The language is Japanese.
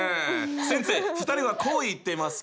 先生２人はこう言っていますけど？